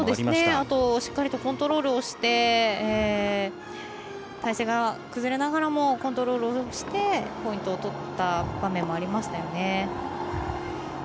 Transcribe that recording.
あとは、しっかりとコントロールをして体勢が崩れながらもコントロールをしてポイントを取った場面もありましたよね。